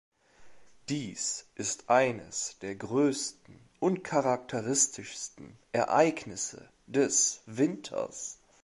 Dies ist eines der größten und charakteristischsten Ereignisse des Winters.